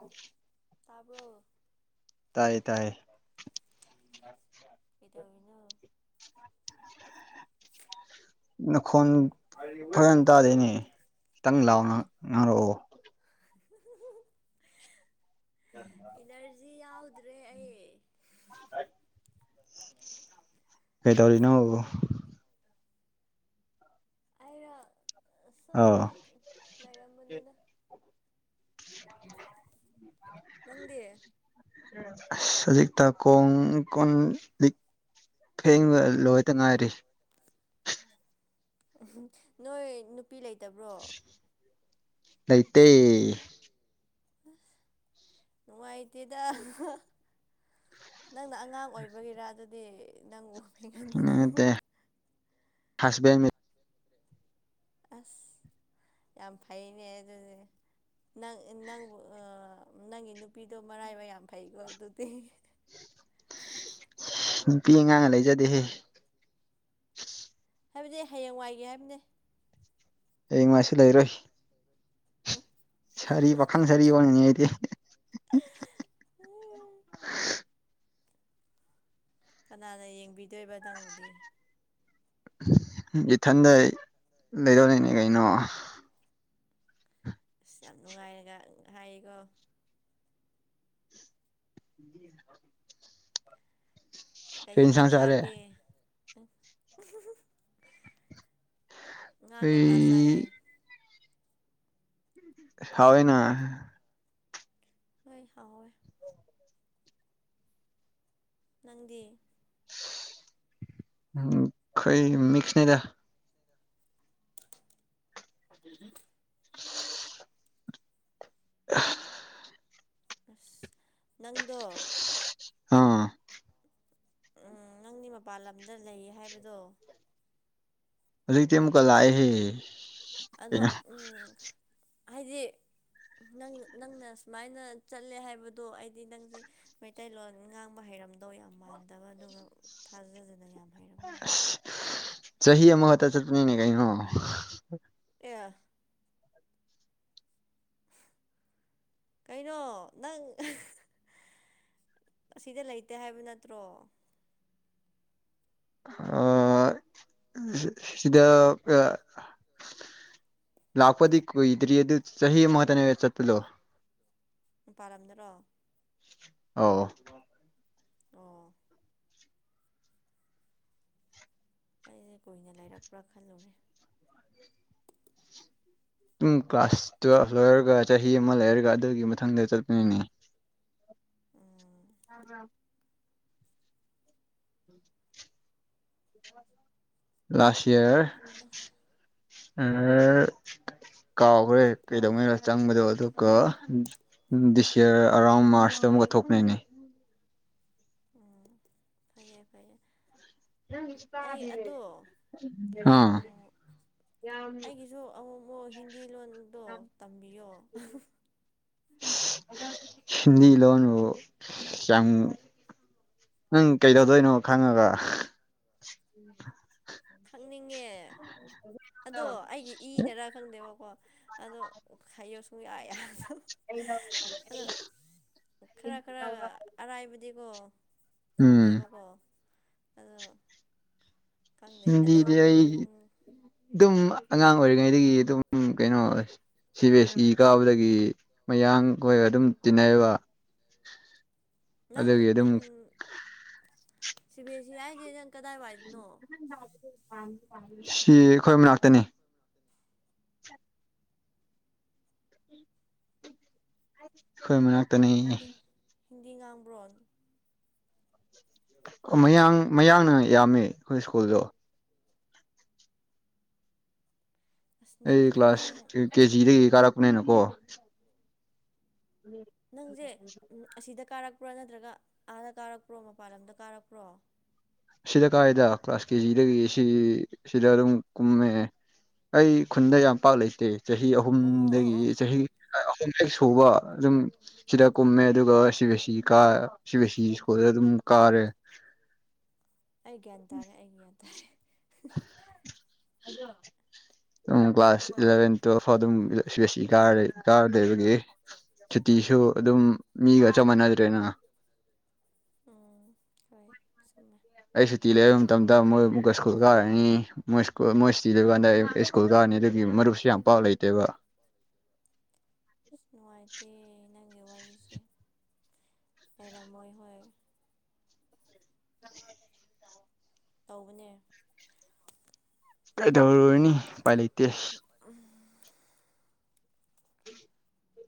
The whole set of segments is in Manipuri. ꯑꯣ ꯇꯥꯔꯕꯣ ꯇꯥꯏꯌꯦ ꯇꯌꯦ ꯀꯗꯅꯣ ꯅꯈꯣꯟ ꯐꯖꯅ ꯇꯥꯗꯣꯏꯅꯦ ꯈꯤꯇꯪ ꯂꯥꯎꯅ ꯉꯥꯡꯔꯛꯑꯣ [inaudible] ꯎ ꯁꯤ ꯌꯥꯎꯗ꯭ꯔꯦ ꯑꯩ ꯀꯩ ꯇꯧꯔꯤꯅ ꯑꯥꯏꯔ ꯁꯪ ꯑꯥꯎ ꯂꯩꯔꯝꯕꯅꯤꯗ [unintelligible] ꯅꯪꯗꯤꯦ ꯁꯖꯤꯛꯇ ꯀꯣꯡ ꯀꯣꯟ ꯂꯤ ꯐꯦꯡꯕ ꯂꯣꯏꯇ ꯉꯥꯏꯔꯤ ꯎ ꯅꯣꯏ ꯅꯨꯄꯤ ꯂꯩꯇꯕ꯭ꯔꯣ ꯅꯇꯩ ꯅꯨꯡꯉꯥꯏꯇꯦꯗ ꯅꯪꯅ ꯑꯉꯥꯡ ꯑꯣꯏꯕꯒꯤꯔꯥ ꯑꯗꯨꯗꯤ ꯅꯪ ꯎ ꯃꯤꯦꯟꯒꯟꯕꯗꯣ ꯅꯠꯇꯦ ꯍꯁꯕꯦꯟ ꯑꯁ ꯌꯥꯝ ꯐꯩꯅꯦ ꯑꯗꯨ ꯑꯗꯨꯅꯦ ꯅꯪ ꯅꯪꯕꯨ ꯅꯪꯒꯤ ꯅꯨꯄꯤꯗꯣ ꯃꯔꯥꯏꯕ ꯌꯥꯝ ꯐꯩꯀꯣ ꯑꯗꯨꯗꯤ ꯅꯨꯄꯤ ꯑꯉꯥꯡ ꯂꯩꯖꯗꯦꯍꯦ ꯍꯥꯏꯕꯗꯤ ꯍꯌꯦꯡꯋꯥꯏꯒꯦ ꯍꯥꯏꯕꯅꯦ ꯍꯉꯥꯏꯁꯨ ꯂꯩꯔꯣꯏ ꯁꯔꯤ ꯄꯈꯅ ꯁꯔꯤ ꯋꯥꯅꯤ ꯑꯗꯤ [unintelligible] ꯀꯅꯥꯅ ꯌꯦꯡꯕꯤꯗꯣꯏꯕ ꯅꯪꯕꯨꯗꯤ ꯏꯊꯟꯗ ꯂꯩꯔꯣ ꯂꯩꯅꯦ ꯀꯩꯅꯣ ꯑꯁ ꯌꯥꯝ ꯅꯨꯡꯉꯥꯏꯔꯒ ꯍꯥꯏꯀꯣ [unintelligible] ꯀꯩ ꯐꯅꯤ ꯌꯦꯟꯖꯥꯡ ꯁꯪꯁꯔꯦ ꯆꯥꯔꯒꯦ [unintelligible] ꯉ ꯑꯩ ꯀꯧ ꯇꯁꯌꯦꯦ ꯍꯅ ꯍꯣꯏ ꯍꯋꯥ ꯅꯪꯗꯤꯦ ꯀꯣꯏ ꯃꯁ ꯅ ꯊ [unintelligible] [unintelligible] ꯑꯁ ꯅꯪꯗꯣ ꯑꯥ ꯎꯝ ꯅꯪꯗꯤ ꯃꯄꯥꯟ ꯂꯝꯗ ꯂꯩ ꯍꯥꯏꯕꯗꯣ ꯑꯗꯨꯩꯇ ꯃꯨ ꯀꯂꯑꯍꯦ ꯑꯗꯣ ꯍꯥꯏꯗꯤ ꯅꯪ ꯅꯪꯅ ꯁꯨꯃꯥꯏꯅ ꯆꯠꯂꯦ ꯍꯥꯏꯕꯗꯣ ꯑꯩꯗꯤ ꯅꯪꯁꯦ ꯃꯩꯇꯩꯂꯣꯟ ꯉꯥꯡꯕ ꯍꯩꯔ ꯑꯣꯏꯔꯝꯗꯧ ꯌꯥꯝ ꯃꯥꯟꯗꯕ ꯑꯗꯨꯒ ꯊꯥꯖꯖꯗꯅ ꯌꯥꯝ ꯍꯩꯔꯝꯃꯤꯅꯦ ꯑꯁ ꯆꯍꯤ ꯃꯠꯇ ꯆꯇꯅꯤꯅꯦ ꯀꯩꯅꯩꯅꯣ ꯑꯦꯦ ꯀꯩꯅꯣ ꯅꯪ ꯑꯁꯤꯗ ꯂꯩꯇꯦ ꯍꯥꯏꯕ ꯅꯠꯇ꯭ꯔꯣ ꯑ ꯁꯤꯗ ꯂꯥꯛꯄꯗꯤ ꯀꯣꯏꯗꯔꯤ ꯑꯗꯨ ꯆꯍꯤ ꯃꯍꯠꯇꯅꯦ ꯆꯠꯠꯇꯂꯣ ꯄꯥꯔꯝꯗꯔꯣ ꯑ ꯑꯣ ꯑꯩꯁꯦ ꯀꯨꯏꯅ ꯂꯩꯔꯛꯄ꯭ꯔꯥ ꯈꯜꯂꯨꯔꯦ ꯝ ꯀ꯭ꯂꯥꯁ ꯇꯨꯋꯦꯜꯐ ꯂꯣꯏꯔꯒ ꯆꯍꯤ ꯑꯃ ꯂꯩꯔꯒ ꯑꯗꯨꯒꯤ ꯃꯊꯪꯗ ꯆꯠꯄꯅꯤꯅꯦ ꯎꯝ ꯑ ꯑ ꯂꯥꯁ ꯏꯌꯥꯔ ꯀꯥꯎꯈ꯭ꯔꯦ ꯀꯩꯗꯧꯅꯤꯔꯣ ꯆꯪꯕꯗꯣ ꯑꯗꯨꯒ ꯎ ꯗꯤꯁ ꯌꯌꯥꯔ ꯑꯔꯥꯎꯟ ꯃꯥꯔꯁꯇ ꯑꯃꯨꯛꯀ ꯊꯣꯛꯅꯩꯅꯦ ꯎꯝ ꯐꯩꯌꯦ ꯐꯩꯌꯦ ꯑꯩ ꯑꯗꯣ ꯑꯥ ꯑꯩꯒꯤꯁꯨ ꯑꯃꯨꯛ ꯑꯃꯨꯛ ꯍꯤꯟꯗꯤ ꯂꯣꯟꯗꯣ ꯇꯝꯕꯤꯌꯣ ꯍꯤꯟꯗꯤ ꯂꯣꯟꯅꯕꯨ ꯌꯥꯝ ꯅꯪ ꯀꯩꯗꯧꯗꯣꯏꯅꯣ ꯈꯪꯉꯒ ꯑꯣ ꯏ ꯈꯪꯗꯦꯕꯀꯣ ꯑ ꯍꯥꯏ ꯑꯗꯣ [inaudible] ꯈꯔ ꯈꯔ ꯑꯔꯥꯏꯕꯗꯤꯀꯣ ꯎꯝ ꯈꯪꯉꯦꯕꯀꯣ ꯑꯗꯣ ꯈꯪꯗꯦ ꯑꯗꯨꯝ ꯗꯤꯗꯤ ꯑꯗꯨꯝ ꯑꯉꯥꯡ ꯑꯣꯏꯔꯤꯉꯩꯗꯒꯤ ꯑꯗꯨꯝ ꯀꯩꯅꯣ ꯁꯤ ꯕꯤ ꯑꯦꯁ ꯏ ꯀꯥꯕꯗꯒꯤ ꯃꯌꯥꯝ ꯑꯥꯡ ꯑꯩꯈꯣꯏ ꯑꯗꯨꯝ ꯇꯤꯟꯅꯩꯕ ꯅꯪ ꯑꯗꯨꯒꯤ ꯑꯗꯨꯝ ꯁꯤꯚꯦꯁꯤ ꯍꯥꯏꯏꯁꯦ ꯅꯪ ꯀꯗꯥꯏꯋꯥꯏꯗꯅꯣ ꯁꯤ ꯑꯩꯈꯣꯏ ꯃꯅꯥꯛꯇꯅꯤ ꯍꯈꯣꯏ ꯃꯅꯥꯛꯇꯅꯤ ꯍꯤꯟꯗꯤ ꯉꯥꯡꯕ꯭ꯔꯣꯟ ꯃꯌꯥꯡ ꯃꯌꯥꯡꯅ ꯌꯥꯝꯃꯤ ꯑꯩꯈꯣꯏ ꯁ꯭ꯀꯨꯜꯗꯣ ꯑꯁ ꯅꯪꯒꯤ ꯑꯩ ꯀ꯭ꯂꯥꯁ ꯅꯪ ꯀꯦꯖꯤꯗꯒꯤ ꯀꯥꯔꯛꯄꯅꯤꯅꯀꯣ ꯅꯪꯁꯦ ꯎ ꯑꯁꯤꯗ ꯀꯥꯔꯛꯄ꯭ꯔꯣ ꯅꯠꯇ꯭ꯔꯒ ꯑꯥꯗ ꯀꯥꯔꯛꯄ꯭ꯔꯣ ꯃꯄꯥꯟ ꯂꯝꯗ ꯀꯥꯔꯛꯄ꯭ꯔꯣ ꯁꯤꯗ ꯀꯥꯏꯗ ꯀ꯭ꯂꯥꯁ ꯀꯦꯖꯤꯗ ꯁꯤ ꯁꯤꯗ ꯑꯗꯨꯝ ꯀꯨꯝꯃꯦ ꯑꯩ ꯈꯨꯟꯗ ꯌꯥꯝ ꯄꯥꯛ ꯂꯩꯇꯦ ꯆꯍꯤ ꯑꯣ ꯑꯣ ꯑꯍꯨꯝꯗꯒꯤ ꯑꯣ ꯆꯍꯤ ꯑꯍꯨꯝ ꯍꯦꯛ ꯁꯨꯕ ꯑꯗꯨꯝ ꯁꯤꯗ ꯀꯨꯝꯃꯦ ꯑꯗꯨꯒ ꯁꯤ ꯕꯤ ꯑꯦꯁ ꯏ ꯀꯥ C B S E school ꯑꯗꯨꯝ ꯀꯥꯔꯦ ꯑꯩꯒꯤꯦꯟꯇꯥꯔꯦ ꯑꯩꯒꯤꯦ ꯍꯜꯂꯣ ꯑꯗꯨꯝ ꯀ꯭ꯂꯥꯁ ꯏꯂꯚꯦꯟ ꯇꯨꯋꯦꯜꯐ ꯐꯥꯎ ꯑꯗꯨꯝꯁꯤ ꯀꯥ ꯀꯥꯔꯗꯣꯏꯕꯒꯤ ꯁꯨꯇꯤꯁꯨ ꯑꯗꯨꯝ ꯃꯤꯒ ꯆ ꯃꯥꯟꯅꯗ꯭ꯔꯦꯅ ꯎꯝ ꯍꯣꯏ ꯁꯝꯃꯦ ꯑꯩ ꯁꯨꯇꯤ ꯂꯩꯕ ꯃꯇꯝꯗ ꯃꯣꯏ ꯑꯃꯨꯛꯀ ꯁ꯭ꯀꯨꯜ ꯀꯥꯔꯅꯤ ꯃꯣꯏ ꯃꯣꯏ ꯁꯨꯇꯤ ꯂꯩꯣꯏꯕ ꯀꯥꯟꯗ ꯑꯩ ꯁꯀꯨꯜ ꯀꯥꯔ ꯃꯔ ꯌꯥꯝ ꯄꯥꯛ ꯂꯩꯇꯦꯕ ꯑꯁ ꯅꯨꯡꯉꯥꯏꯇꯦ ꯅꯪꯒꯤ ꯋꯥꯔꯤꯁꯦ ꯑꯦꯔ ꯃꯣꯏ ꯍ ꯇꯧꯕꯅꯦ ꯀꯥꯏ ꯇꯧꯔ ꯑꯣꯏꯅꯤ ꯄꯥꯏ ꯂꯩ ꯏꯇꯦ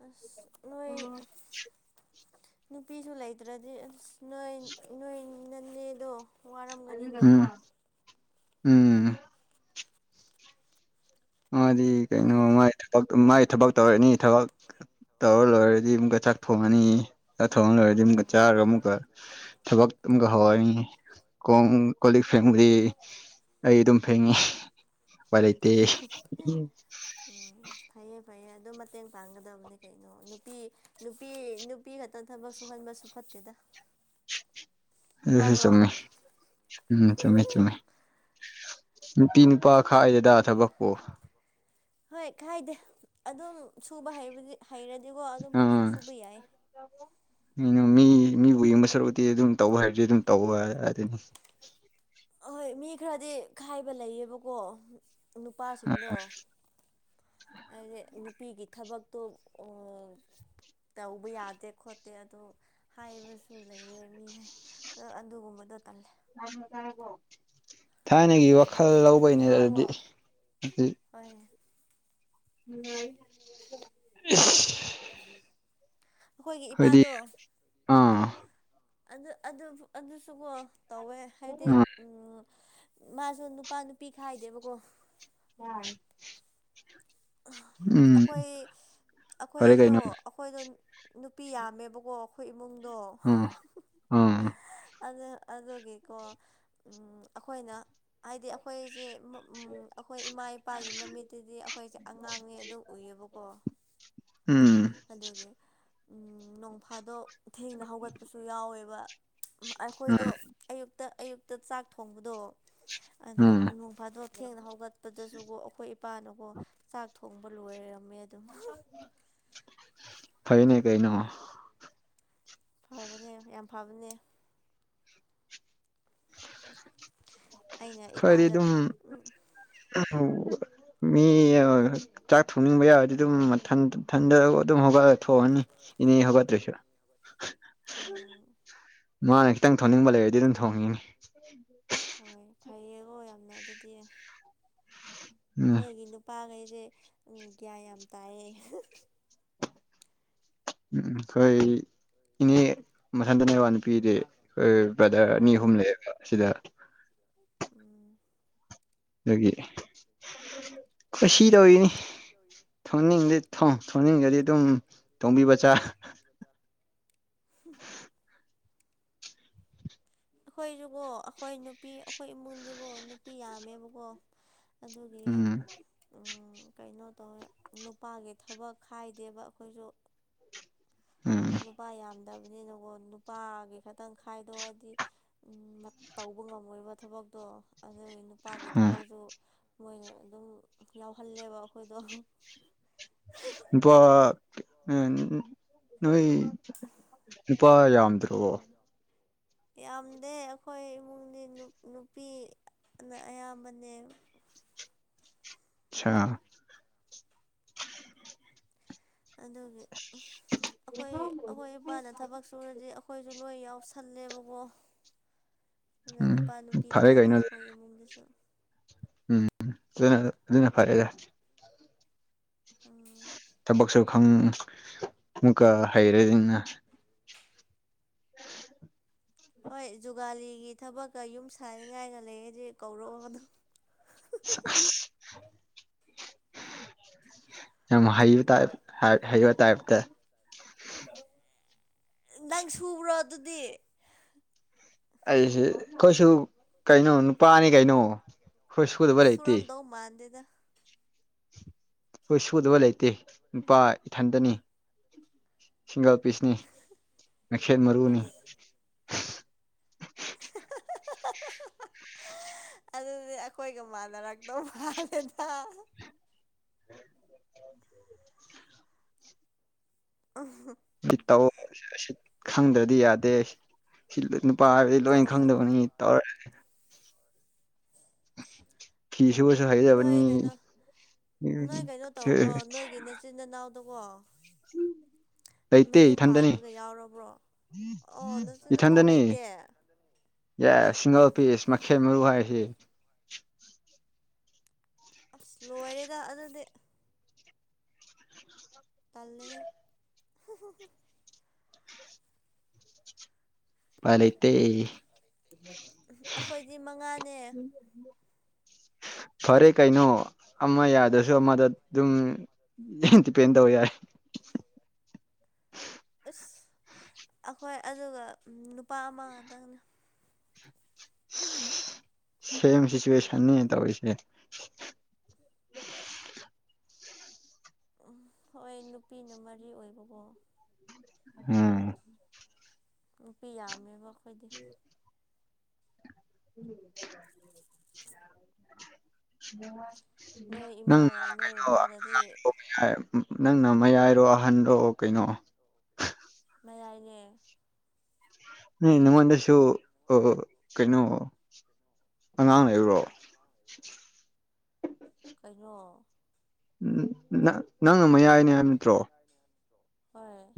ꯑꯁ ꯅꯣꯏ ꯑꯣꯝ ꯅꯨꯄꯤꯁꯨ ꯂꯩꯇ꯭ꯔꯗꯤ ꯑꯁ ꯅꯣꯏ ꯅꯣꯏ ꯅꯅꯦꯗꯣ ꯋꯥꯔꯝꯒꯅꯤꯅꯦ ꯎꯝ ꯎꯝ ꯃꯥꯗꯤ ꯅꯪ ꯑꯣ ꯀꯩꯅꯣꯥꯏ ꯃꯥꯏ ꯊꯕꯛ ꯇꯧꯔꯅꯤ ꯊꯕꯛ ꯇꯧꯔ ꯂꯣꯏꯔꯗꯤ ꯑꯃꯨꯛꯀ ꯆꯥꯛ ꯊꯣꯡꯉꯅꯤ ꯊꯣꯡ ꯂꯩꯣꯏꯔꯗꯤ ꯑꯃꯨꯛꯀ ꯆꯥꯔꯒ ꯑꯃꯨꯛꯀ ꯊꯕꯛ ꯑꯃꯨꯛꯀ ꯍꯧꯍꯅꯤꯡꯉꯤ ꯀꯣꯡ ꯀꯣ ꯂꯤꯛ ꯐꯦꯡꯕꯗꯤ ꯑꯩ ꯑꯗꯨꯝ ꯐꯦꯡꯉꯤ ꯎꯄꯥꯏ ꯂꯩꯇꯦ ꯎꯝ ꯎꯝ ꯐꯩꯌꯦ ꯐꯩꯌꯦ ꯑꯗꯨ ꯃꯇꯦꯡ ꯄꯥꯡꯒꯗꯕꯅꯤ ꯀꯩꯅꯣ ꯅꯨꯄꯤ ꯅꯨꯄꯤ ꯅꯨꯄꯤ ꯈꯛꯇ ꯊꯕꯛ ꯁꯨꯍꯟꯕꯁꯨ ꯐ ꯇꯗ [inaudible] ꯑꯦ ꯆꯃꯦ ꯎꯝ ꯆꯃꯦ ꯆꯃꯦ ꯅꯨꯄꯤ ꯅꯨꯄꯥ ꯈꯥꯏꯗꯦꯗꯥ ꯊꯕꯛꯄꯣ ꯍꯣꯏ ꯈꯥꯏꯗꯦ ꯑꯗꯨꯝ ꯁꯨꯕ ꯍꯩꯕꯗꯤ ꯍꯩꯔꯗꯤꯀꯣ ꯑꯗꯨꯝ ꯄꯪꯁꯨ ꯑꯥ ꯁꯨꯕ ꯌꯥꯏ ꯀꯩꯅꯣ ꯃꯤ ꯃꯤꯕꯨ ꯌꯦꯡꯕ ꯁꯔꯨꯛꯇꯤ ꯑꯗꯨꯝ ꯇꯧꯕ ꯍꯥꯏꯕꯖꯤ ꯑꯗꯨꯝ ꯇꯧꯕ ꯑꯗꯨꯅꯤ ꯑꯍꯣꯏ ꯃꯤ ꯈꯔꯗꯤ ꯈꯥꯏꯕ ꯂꯩꯌꯦꯕꯀꯣ ꯅꯨꯄꯥꯁꯤꯡꯗꯣ ꯍꯥꯏꯗꯤ ꯅꯨꯞ ꯅꯨꯄꯤꯒꯤ ꯊꯕꯛꯇꯣ ꯑꯣ ꯇꯧꯕ ꯌꯥꯗꯦ ꯈꯣꯠꯇꯦ ꯑꯗꯨ ꯍꯥꯏꯕꯁꯨ ꯂꯩꯌꯦ ꯃꯤ ꯍꯥ ꯍ ꯑꯗꯨꯒꯨꯝꯕꯗꯣ ꯇꯜꯂꯦ ꯊꯥꯏꯅꯒꯤ ꯋꯥꯈꯜ ꯂꯧꯕꯩꯅꯦ ꯑꯗꯨꯗꯤ ꯍꯣꯏ ꯏꯁ ꯑꯈꯣꯏꯒꯤ ꯏꯄꯥꯗꯣ ꯑꯥ ꯑꯗꯨ ꯑꯗꯨꯕꯨ ꯑꯗꯨꯁꯨꯀꯣ ꯇꯧꯋꯦ ꯍꯥꯏꯗꯤ ꯎꯝ ꯃꯥꯁꯨ ꯅꯨꯄꯥ ꯅꯨꯄꯤ ꯈꯥꯏꯗꯦꯕꯀꯣ ꯑꯝ ꯑꯈꯣꯏ ꯐꯔꯦ ꯑꯈꯣꯏꯖꯨ ꯀꯩꯅꯣ ꯑꯈꯣꯏꯗꯣ ꯅꯨꯄꯤ ꯌꯥꯝꯃꯦꯕꯀꯣ ꯑꯈꯣꯏ ꯏꯞ ꯎꯝ ꯎꯝꯎꯝ ꯑꯗ ꯑꯗꯨꯒꯤꯀꯣ ꯎꯝ ꯑꯈ ꯑꯈꯣꯏꯅ ꯍꯥꯏꯗꯤ ꯑꯈꯣꯏꯖꯦ ꯎꯝ ꯃ ꯎꯝ ꯑꯩꯈꯣꯏ ꯏꯃꯥ ꯏꯄꯥꯒꯤ ꯃꯃꯤꯠꯇꯗꯤ ꯑꯈꯣꯏꯖꯦ ꯑꯉꯥꯡꯅꯦ ꯑꯗꯨ ꯎꯏꯌꯦꯕꯀꯣ ꯎꯝ ꯑꯗꯨꯒꯤ ꯅꯣꯡꯐꯥꯗꯣꯛ ꯊꯦꯡꯅ ꯍꯧꯒꯠꯄꯁꯨ ꯌꯥꯎꯋꯦꯕ ꯎꯝ ꯑꯈꯣꯏꯗꯣ ꯎꯝ ꯑꯌꯨꯛꯇ ꯑꯌꯨꯛꯇ ꯆꯥꯛ ꯊꯣꯡꯕꯗꯣ ꯑꯗꯣ ꯎꯝ ꯅꯣꯡ ꯐꯥꯗꯣꯛ ꯊꯦꯡꯅ ꯍꯧꯒꯠꯄꯗꯁꯨꯒꯣ ꯑꯩꯈꯣꯏ ꯏꯄꯥꯅꯒꯣ ꯆꯥꯛ ꯊꯣꯡꯕ ꯂꯣꯏꯔꯝꯃꯦ ꯑꯗꯨꯝ [inaudible] ꯐꯩꯅꯦ ꯀꯩꯅꯣ ꯐꯕꯅꯦ ꯌꯥꯝ ꯐꯕꯅꯦ ꯑꯩꯅ ꯏꯄꯥꯗ ꯎꯝ ꯎꯋꯥ ꯃꯤꯌꯥ ꯆꯥꯛ ꯊꯣꯡꯅꯤꯡꯕ ꯌꯥꯔꯗꯤ ꯑꯗꯨꯝ ꯃꯊꯟꯇ ꯊꯟꯗ ꯑꯗꯨꯝ ꯍꯧꯒꯠꯂ ꯊꯣꯑꯅꯤ ꯏꯅꯦ ꯍꯧꯒꯠꯇ꯭ꯔꯁꯨ ꯎꯝ ꯃꯥꯅ ꯈꯤꯇꯪ ꯊꯣꯡꯅꯤꯡꯕ ꯂꯩꯔꯗꯤ ꯑꯗꯨꯝ ꯊꯣꯡꯉꯤꯅꯤ ꯍꯣꯏ ꯐꯩꯌꯦꯀꯣ ꯌꯥꯝꯅ ꯑꯗꯨꯗꯤ ꯎꯝ ꯅꯣꯏꯒꯤ ꯅꯨꯄꯥꯒꯩꯖꯦ ꯎꯝ ꯒ꯭ꯌꯥꯟ ꯌꯥꯝ ꯇꯥꯏꯌꯦ ꯍꯨꯝ ꯍꯨꯝ ꯍꯨꯝ ꯎꯝꯎꯝ ꯈꯣꯏ ꯏꯅꯦ ꯃꯊꯟꯗꯅꯦꯋꯥ ꯅꯨꯄꯤꯗꯤ ꯈꯣꯏ ꯕꯖꯥꯔ ꯑꯣ ꯑꯅꯤ ꯑꯍꯨꯝ ꯂꯩꯌꯦꯕ ꯑꯁꯤꯗ ꯎꯝ ꯗꯒꯤ ꯈꯨꯁꯤ ꯇꯧꯔꯤꯅꯤ ꯊꯣꯡꯅꯤꯡꯂ ꯊꯣꯡ ꯊꯣꯅꯤꯡꯗꯔꯗꯤ ꯗꯨꯝ ꯊꯣꯡꯕꯤꯕ ꯆꯥꯥ ꯍꯨꯝꯍꯨꯝ ꯑꯈꯣꯏꯖꯨꯀꯣ ꯑꯈꯣꯏ ꯅꯨꯄꯤ ꯑꯈꯣꯏ ꯏꯃꯨꯡꯖꯤꯀꯣ ꯅꯨꯄꯤ ꯌꯥꯝꯃꯦꯕꯀꯣ ꯑꯗꯨꯒꯤ ꯎꯝ ꯎꯝ ꯀꯩꯅꯣ ꯇꯧꯋꯦ ꯅꯨꯄꯥꯒꯤ ꯊꯕꯛ ꯈꯥꯏꯗꯦꯕ ꯑꯈꯣꯏꯖꯨ ꯎꯝ ꯅꯨꯄꯥ ꯌꯥꯝ ꯗꯕꯅꯤꯅꯀꯣ ꯅꯨꯄꯥꯒꯤ ꯈꯇꯪ ꯈꯥꯏꯗꯣꯛꯑꯗꯤ ꯎꯝ ꯃꯠ ꯇꯧꯕ ꯉꯝꯃꯣꯏꯕ ꯊꯕꯛ ꯗꯣ ꯑꯗꯨꯒꯤ ꯅꯨꯞ ꯄꯥꯒꯤ ꯎꯝ ꯊꯕꯛꯁꯨ ꯃꯣꯏꯅ ꯑꯗꯨꯝ ꯌꯥꯎꯍꯜꯂꯦꯕ ꯑꯈꯣꯏꯗꯣ ꯑꯍꯥ ꯏꯄꯥꯣ ꯎ [inaudible] ꯅꯣꯏ ꯅꯨꯄꯥ ꯌꯥꯝꯗ꯭ꯔꯕꯣ ꯌꯥꯝꯗꯦ ꯑꯈꯣꯏ ꯏꯃꯨꯡꯗꯤ ꯅꯨꯞ ꯅꯨꯄꯤ ꯑ ꯅ ꯑꯌꯥꯝꯕꯅꯦ ꯑꯥ ꯑꯗꯨꯒꯤ ꯑꯩꯈꯣꯏ ꯑꯩꯈꯣꯏ ꯏꯄꯥꯅ ꯊꯕꯛ ꯁꯨꯔꯗꯤ ꯑꯩꯈꯣꯏꯁꯨ ꯂꯣꯏ ꯌꯥꯎꯁꯜꯂꯦꯕꯀꯣ ꯑꯗꯨꯅ ꯎꯝ ꯅꯨꯄꯥ ꯅꯨꯄꯤ ꯐꯔꯦ ꯈꯥꯏꯗꯦ ꯀꯩꯅꯣ ꯑꯩꯈꯣꯏ ꯏꯃꯨꯡꯗꯁꯨ ꯎꯝ ꯑꯗꯨꯅ ꯑꯗꯨꯅ ꯐꯔꯦꯗ ꯎꯝ ꯊꯕꯛꯁꯨ ꯈꯪ ꯑꯃꯨꯛꯀ ꯍꯩꯔꯅꯤꯅ ꯑꯟꯑꯣꯗꯤꯕꯜ ꯍꯣꯏ ꯖꯨꯒꯥꯂꯤꯒꯤ ꯊꯕꯛꯀ ꯌꯨꯝ ꯁꯥꯥꯟꯅꯤꯡꯉꯥꯏꯒ ꯂꯩꯔꯗꯤ ꯀꯧꯔꯛꯑꯣ ꯑꯗꯨꯝ ꯁꯥ ꯑꯥꯁ ꯌꯥꯝ ꯍꯩꯕ ꯇꯥꯏꯞ ꯍ ꯍꯩꯕ ꯇꯥꯏꯞꯇ ꯅꯪ ꯁꯨꯕ꯭ꯔꯣ ꯑꯗꯨꯗꯤ ꯑꯩꯁꯦ ꯈꯣꯏꯁꯨ ꯀꯩꯅꯣ ꯅꯨꯄꯥꯅꯤ ꯀꯩꯅꯣ ꯁꯨꯗꯕ ꯑꯁ ꯂꯩꯇꯦ ꯁꯨꯨꯔꯝꯗꯧ ꯃꯥꯟꯗꯦꯗ ꯑꯩꯈꯣꯏ ꯁꯨꯗꯕ ꯂꯩꯇꯦ ꯅꯨꯄꯥ ꯏꯊꯟꯇꯅꯤ ꯁꯤꯡꯒꯜ ꯄꯤꯁꯅꯤ ꯃꯩꯈꯦꯠ ꯃꯔꯨꯅꯤ ꯑꯁ [inaudible] ꯑꯗꯨꯗꯤ ꯑꯩꯈꯣꯏꯒ ꯃꯥꯟꯅꯔꯛꯇꯧ ꯃꯥꯜꯂꯦꯗ [inaudible] ꯑꯍ ꯁꯤ ꯇꯧ ꯁꯤ ꯈꯪꯗ꯭ꯔꯗꯤ ꯌꯥꯗꯦ ꯄ ꯍꯥꯏꯕꯗꯤ ꯂꯣꯏꯅ ꯑꯣ ꯈꯪꯗꯕꯅꯤ ꯇꯧꯔꯛꯏ ꯐꯤ ꯁꯨꯕꯁꯨ ꯅꯣꯏ ꯍꯩꯒꯗꯕꯅꯤ ꯀꯩꯅꯣ ꯅꯣꯏ ꯗꯨꯀꯣ ꯍꯝ ꯃꯌꯨꯝ ꯄꯥꯟꯕꯒ ꯌꯥꯎꯔꯕ꯭ꯔꯣ ꯑꯣ ꯅꯆꯤꯟ ꯏꯅꯥꯎ ꯏꯊꯟꯇꯅꯤ ꯂꯩꯇꯦ ꯌꯥ ꯑꯣꯁ ꯁꯤꯡꯒꯜ ꯄꯤꯁ ꯃꯩꯈꯦꯠ ꯃꯔꯨ ꯍꯥꯏꯔꯤꯁꯤ ꯑꯁ ꯂꯣꯏꯔꯦꯗ ꯑꯗꯨꯗꯤ ꯇꯜꯂꯦꯍꯦ ꯍꯝꯍꯝꯍꯝ ꯄꯥꯏ ꯂꯩꯇꯦ ꯑꯩꯈꯣꯏꯗꯤ ꯃꯉꯥꯅꯦ [inaudible] ꯐꯔꯦ ꯀꯩꯅꯣ ꯑꯃ ꯌꯥꯗ꯭ꯔꯁꯨ ꯑꯃꯗ ꯑꯗꯨꯝ ꯗꯤꯄꯦꯟ ꯇꯧꯕ ꯌꯥꯏ ꯑꯟꯑꯣꯗꯤꯕꯜ [unintelligible] ꯑꯈꯣꯏ ꯑꯗꯨꯒ ꯅꯨꯄꯥ ꯑꯃꯗꯪ ꯁꯦꯝ ꯁꯤꯆꯨꯋꯦꯁꯟꯅꯤ ꯇꯧꯔꯤꯁꯤ [inaudible] ꯎꯝ ꯍꯣꯏ ꯅꯨꯄꯤꯅ ꯃꯔꯤ ꯑꯣꯏꯕꯀꯣ ꯎꯝ ꯅꯨꯄꯤ ꯌꯥꯝꯃꯦꯕ ꯈꯣꯏꯗꯤ [inaudible] ꯅꯣꯏ ꯅꯪꯅꯣ ꯏꯃꯥꯒ ꯅꯣꯏ ꯕꯕꯥꯒꯗꯤ ꯅꯪꯅ ꯃꯌꯥꯏꯔꯣ ꯑꯍꯟꯔꯣ ꯀꯩꯅꯣ [inaudible] ꯎꯝ ꯅꯉꯣꯟꯗꯁꯨ ꯑ ꯀꯩꯅꯣ ꯑꯉꯥꯡ ꯂꯩꯕꯔꯣ ꯀꯩꯅꯣ ꯎꯝ ꯅ ꯅꯪꯅ ꯃꯌꯥꯏꯅꯦ ꯍꯥꯏꯕ ꯅꯠꯇ꯭ꯔꯣ ꯍꯣꯏ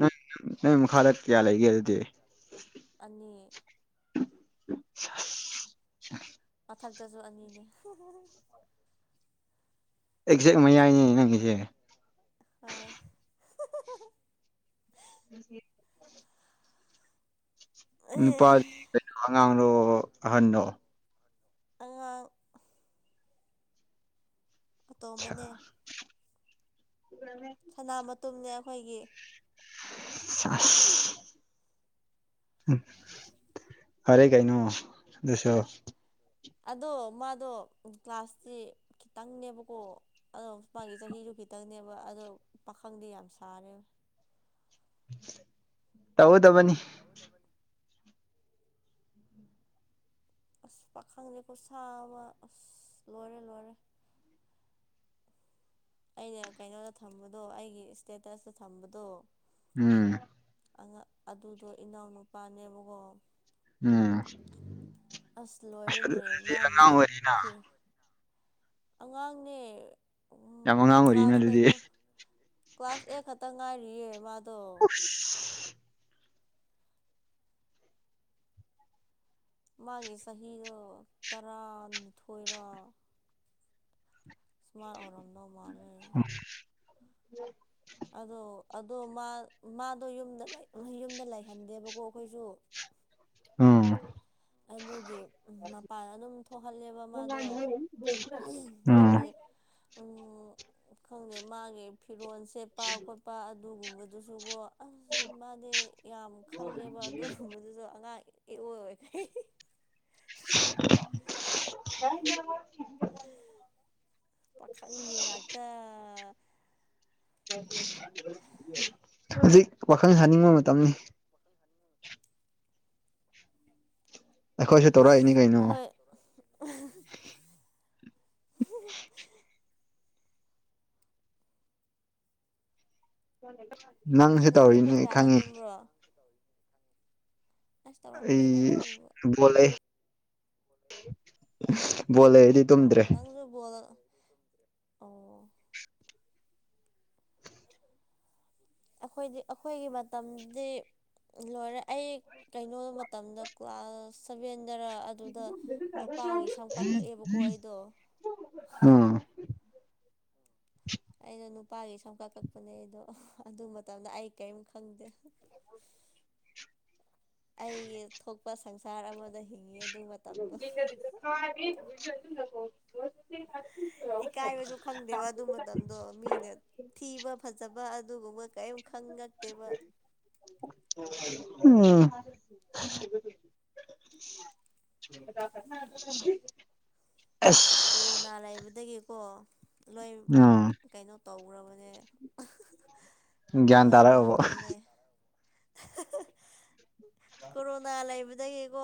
ꯅꯪꯒꯤ ꯃꯈꯥꯗ ꯀꯌꯥ ꯂꯩꯒꯦ ꯍꯥꯏꯗꯤ [inaudible] ꯑꯅꯤ ꯃꯊꯛꯇꯁꯨ ꯑꯅꯤꯅꯦ ꯑꯦꯛꯖꯦꯛ ꯃꯌꯥꯏꯅꯦ ꯅꯪꯒꯤꯁꯦ ꯍꯣꯏ ꯑꯟꯑꯣꯗꯤꯕꯜ ꯅꯨꯄꯥꯗꯤ ꯀꯩꯅꯣ ꯑꯉꯥꯡꯗꯣ ꯑꯍꯟꯅꯣ ꯑ ꯑꯇꯣꯝꯕꯅꯦ ꯑ ꯁꯅꯥ ꯃꯇꯨꯝꯅꯦ ꯑꯩꯈꯣꯏꯒꯤ ꯆꯥꯁ ꯐꯔꯦ ꯀꯥꯏꯩꯅꯣ ꯑꯗꯨꯁꯣ ꯑꯗꯣ ꯃꯥꯗꯣ ꯀ꯭ꯂꯥꯁꯇꯦ ꯈꯤꯇꯪꯅꯦꯕꯀꯣ ꯑꯗꯣ ꯃ ꯃꯥꯒꯤ ꯆꯍꯤ ꯈꯤꯇꯪꯅꯦꯕ ꯑꯗꯣ ꯄꯥꯈꯪꯗꯤ ꯌꯥꯝ ꯁꯥꯔꯦꯕ ꯇꯧꯗꯕꯅꯤ ꯇꯧꯗꯕꯅꯤ ꯑꯁ ꯄꯥꯈꯪꯁꯦꯀꯣ ꯁꯥꯕ ꯑꯁ ꯂꯣꯏꯔꯦ ꯂꯣꯏꯔꯦ ꯑꯩꯅ ꯀꯩꯅꯣꯗ ꯊꯝꯕꯗꯣ ꯑꯩꯒꯤ ꯏꯁꯇꯦꯇꯁꯇ ꯊꯝꯕꯗꯣ ꯎꯝ ꯑꯗꯨꯗꯣ ꯏꯅꯥꯎꯅꯨꯄꯥꯅꯦꯕꯀꯣ ꯎꯝ ꯑꯁ ꯑꯗꯨ ꯂꯣꯏꯔꯅꯦ ꯑꯗꯨꯗꯤ ꯑꯉꯥꯡ ꯃꯥꯒꯤ ꯑꯣꯏꯔꯤꯅ ꯐꯤ ꯑꯉꯥꯡꯅꯦ ꯎ ꯌꯥꯝ ꯑꯉꯥꯡ ꯑꯣꯏꯔꯤꯅ ꯀ꯭ꯂꯥꯁ ꯑꯗꯨꯗꯤ ꯀꯩꯅꯣ ꯀ꯭ꯂꯥꯁ ꯑꯦꯠ ꯈꯛꯇ ꯉꯥꯏꯔꯤꯌꯦ ꯃꯥꯗꯣ [unintelligible] ꯃꯥꯒꯤ ꯆꯍꯤꯗꯣ ꯇꯔꯥꯅꯤꯊꯣꯏꯔꯥ ꯁꯨꯃꯥꯏ ꯑꯣꯔꯝꯗ ꯃꯥꯂꯦ ꯎꯝ ꯑꯗꯣ ꯑꯗꯣ ꯃꯥꯗꯣ ꯌꯨꯝꯗ ꯌꯨꯝꯗ ꯂꯩꯍꯟꯗꯦꯕꯀꯣ ꯑꯩꯈꯣꯏꯁꯨ [inaudible] ꯎꯝ ꯑꯗꯨꯒꯤ ꯃꯄꯥꯟ ꯑꯗꯨꯝ ꯊꯣꯛꯍꯜꯂꯦꯕ ꯃꯥꯗꯣ ꯎꯝ ꯑꯗꯨꯒꯤ ꯈꯪꯗꯦ ꯃꯥꯒꯤ ꯐꯤꯔꯣꯜ ꯁꯦꯠꯄ ꯈꯣꯠꯄ ꯑꯗꯨꯒꯨꯝꯕꯗꯨꯁꯨꯀꯣ ꯑꯁ ꯃꯥꯗꯤ ꯌꯥꯝ ꯈꯜꯂꯦꯕ ꯑꯗꯨꯒꯨꯝꯕꯗꯨꯁꯨ ꯑꯉꯥꯡ ꯑꯣꯏ [inaudible] ꯍ ꯍ ꯄꯥꯈꯪꯒꯤ ꯉꯥꯛꯇ ꯍꯧꯖꯤꯛ ꯋꯥꯈꯜ ꯁꯥꯅꯤꯡꯕ ꯃꯇꯝꯅꯤ [inaudible] ꯑꯩꯈꯣꯏꯁꯨ ꯑꯁ ꯇꯧꯔꯛꯏꯅꯤ ꯀꯩꯅꯣ [inaudible] ꯍꯣꯏ ꯑꯁ ꯅꯪꯁꯨ ꯅꯪꯗꯤ ꯄꯨꯡ ꯇꯧꯔꯤꯅꯦ ꯀꯌꯥꯗ ꯈꯪꯉꯤ ꯇꯨꯝꯕ꯭ꯔꯣ ꯑꯁ ꯇꯧꯔꯛꯇꯦꯗ ꯑꯗꯨꯒꯨꯝꯕ ꯑꯩ ꯕꯣꯜꯂꯦ ꯑꯩꯗꯤ ꯑꯣ ꯇꯨꯝꯗ꯭ꯔꯦ ꯅꯪꯁꯨ ꯕꯣꯜ ꯑꯣ ꯑꯩꯈꯣꯏꯗꯤ ꯑꯩꯈꯣꯏꯒꯤ ꯃꯇꯝꯗꯤ ꯂꯣꯏꯔꯦ ꯑꯩ ꯀꯩꯅꯣ ꯃꯇꯝꯗ ꯀ꯭ꯂꯥꯁ ꯁꯚꯦꯟ ꯝ ꯁꯝ ꯀꯛꯑꯦꯕꯀꯣ ꯑꯩꯗꯣ ꯎꯝ ꯑꯥ ꯑꯩꯅ ꯅꯨꯄꯥꯒꯤ ꯁꯝ ꯀꯥ ꯀꯛꯄꯅꯦ ꯑꯗꯣ ꯑꯗꯨ ꯃꯇꯝꯗ ꯑꯩ ꯀꯔꯤꯝ ꯈꯪꯗꯦ ꯑꯩꯒꯤ ꯊꯣꯛꯄ ꯁꯪꯁꯥꯔ ꯑꯃꯗ ꯍꯤꯡꯉꯤ ꯑꯗꯨ ꯃꯇꯝꯗꯣ ꯑꯗꯨ ꯏꯀꯥꯏꯕꯁꯨ ꯈꯪꯗꯦꯕ ꯑꯗꯨ ꯃꯇꯝꯗꯣ ꯃꯤꯅ ꯊꯤꯕ ꯐꯖꯕ ꯑꯗꯨꯒꯨꯝꯕ ꯀꯔꯤꯝ ꯈꯪꯉꯛꯇꯦꯕ ꯎꯝ [unintelligible] [unintelligible] ꯑꯁ ꯀꯣꯔꯣꯅꯥ ꯂꯩꯕꯗꯒꯤꯀꯣ ꯂꯣꯏ ꯑꯥ ꯀꯩꯅꯣ ꯇꯧꯈ꯭ꯔꯕꯅꯦ ꯭ꯌꯥꯟ ꯂꯣꯏ ꯇꯔꯦ ꯍꯕꯣ ꯃꯥꯡꯍꯜꯂꯦ ꯀꯣꯔꯣꯅꯥ ꯂꯩꯕꯗꯒꯤꯀꯣ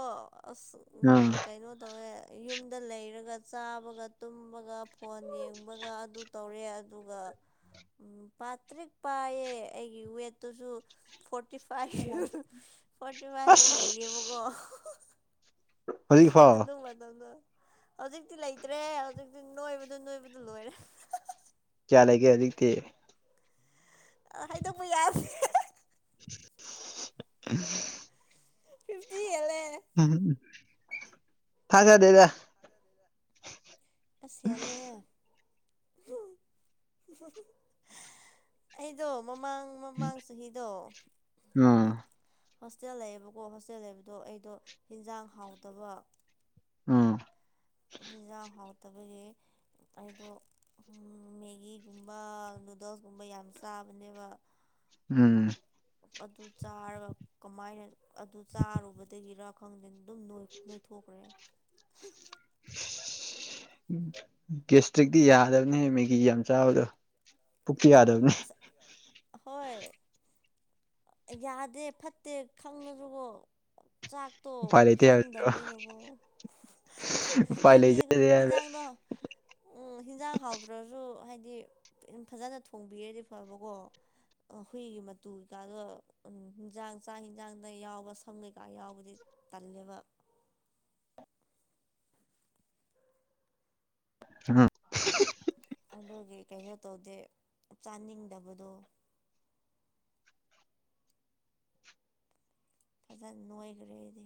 ꯑꯁ ꯎꯝ ꯀꯩꯅꯣ ꯇꯧꯋꯦ ꯌꯨꯝꯗ ꯂꯩꯔꯒ ꯆꯥꯕꯒ ꯇꯨꯝꯕꯒ ꯐꯣꯟ ꯌꯦꯡꯕꯒ ꯑꯗꯨ ꯇꯧꯔꯦ ꯑꯗꯨꯒ ꯎꯝ ꯄꯥꯇ꯭ꯔꯤꯛ ꯄꯥꯏꯌꯦ ꯑꯩꯒꯤ ꯋꯦꯠꯇꯨꯁꯨ ꯐꯣꯔꯇꯤ ꯐꯥꯏꯚ ꯐꯣꯔꯇꯤ ꯐꯥꯏꯚ ꯃꯛ ꯑꯁ ꯂꯩꯕꯀꯣ ꯍꯧꯖꯤꯛꯐꯥꯎ ꯑꯗꯨ ꯃ ꯃꯇꯝꯗꯣ ꯍꯧꯖꯤꯛ ꯛꯇꯤ ꯂꯩꯇ꯭ꯔꯦ ꯍꯧꯖꯤꯛꯇꯤ ꯅꯣꯏꯕꯗ ꯅꯣꯏꯕꯗ ꯂꯣꯏꯔꯦ ꯀꯌꯥ ꯂꯩꯒꯦ ꯍꯧꯖꯤꯛꯇꯤ ꯑ ꯍꯥꯏꯗꯣꯛꯄ ꯌꯥꯔꯦ [inaudible] ꯐꯤꯞꯇꯤꯒꯂꯦ ꯝ ꯊꯥ ꯁꯥ ꯗꯦꯗꯥ ꯍꯁꯦꯦ ꯑꯩꯗꯣ ꯃꯃꯥꯡ ꯃꯃꯥꯡ ꯆꯍꯤꯗꯣ ꯑꯝ ꯍꯣꯁꯇꯦꯜ ꯂꯩꯌꯦꯕꯀꯣ ꯍꯣꯁꯇꯦꯜ ꯂꯩꯕꯗꯣ ꯑꯩꯗꯣ ꯌꯦꯟꯖꯥꯡ ꯍꯥꯎꯗꯕ ꯑꯥ ꯍꯖꯥ ꯍꯥꯎ ꯇꯕ ꯑꯩꯗꯣ ꯃꯦꯒꯤꯒꯨꯝꯕ ꯅꯨꯗꯜꯁꯀꯨꯝꯕ ꯌꯥꯝ ꯆꯥꯕꯅꯦꯕ ꯎꯝ ꯑꯗꯨ ꯆꯥꯔꯒ ꯀꯃꯥꯏꯅ ꯑꯗꯨ ꯆꯥꯔꯨꯕꯗꯒꯤꯔ ꯈꯪꯗꯅꯤꯡ ꯑꯗꯨꯝ ꯅꯣꯏꯊꯣꯛꯈ꯭ꯔꯦ ꯒꯦꯁꯇ꯭ꯔꯤꯛꯇꯛꯇꯤ ꯌꯥꯗꯕꯅꯦꯍꯦ ꯃꯦꯒꯤ ꯌꯥꯝ ꯆꯥꯕꯗꯣ ꯄꯨꯀꯤ ꯌꯥꯗꯕꯅꯤ ꯑꯁ ꯍꯣꯏ ꯌꯥꯗꯦ ꯐꯠꯇꯦ ꯈꯪꯅꯁꯨꯕꯣ ꯆꯥꯛꯇꯣ ꯎꯄꯥꯏ ꯂꯩꯇꯦ ꯍꯥꯏꯕꯗꯨꯔꯣ ꯆꯪꯗꯕꯅꯤꯅꯕꯨꯣ ꯎꯄꯥꯏ ꯍꯥꯏꯕꯗꯤ ꯂꯩꯖꯗꯦ ꯍꯥꯏꯕ ꯍꯤꯟꯖꯥꯡꯗꯣ ꯎꯝ ꯍꯤꯟꯖꯥꯡ ꯍꯥꯎꯇ꯭ꯔꯁꯨ ꯍꯥꯏꯗꯤ ꯗꯤ ꯌꯥꯝ ꯐꯖꯅ ꯊꯣꯡꯕꯤꯔꯦꯗꯤ ꯐꯕꯀꯣ ꯍꯨꯏꯒꯤ ꯃꯇꯨ ꯀꯩꯀꯥꯗꯣ ꯎ ꯍꯤꯟꯖꯥꯡ ꯆꯥꯛ ꯌꯦꯟꯖꯥꯡꯗ ꯌꯥꯎꯕ ꯁꯝ ꯀꯩꯀꯥ ꯌꯥꯎꯕꯗꯤ ꯇꯜꯂꯦꯕ ꯑ ꯎ ꯑꯗ ꯀꯩꯅꯣ ꯇꯧꯗꯦ ꯆꯥꯅꯤꯡꯗꯕꯗꯣ ꯐꯖꯅ ꯅꯣꯏꯈ꯭ꯔꯦꯗꯤ